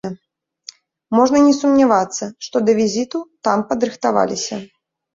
Можна не сумнявацца, што да візіту там падрыхтаваліся.